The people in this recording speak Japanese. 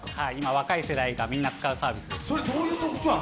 若い選手がみんな使うサーブです。